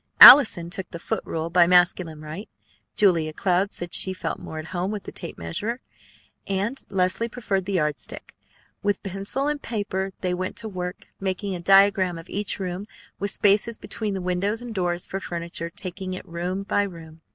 Allison took the foot rule by masculine right; Julia Cloud said she felt more at home with the tape measure; and Leslie preferred the yardstick. With pencil and paper they went to work, making a diagram of each room, with spaces between windows and doors for furniture, taking it room by room.